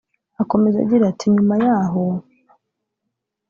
Akomeza gira ati “Nyuma y’aho